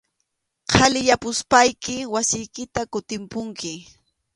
Qhaliyapuspayki wasiykita kutipunki.